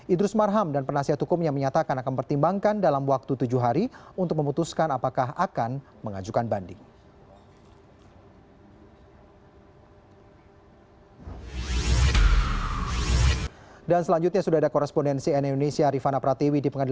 idrus marham dan penasihat hukum yang menyatakan akan mempertimbangkan dalam waktu tujuh hari untuk memutuskan apakah akan mengajukan banding